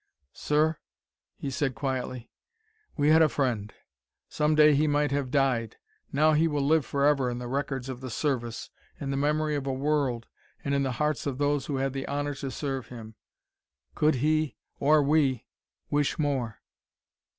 "Sir," he said quietly, "We had a friend. Some day, he might have died. Now he will live forever in the records of the Service, in the memory of a world, and in the hearts of those who had the honor to serve with him. Could he or we wish more?"